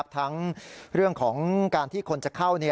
ทั้งเรื่องของการที่คนจะเข้า